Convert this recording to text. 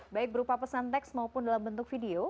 baik berupa pesan teks maupun dalam bentuk video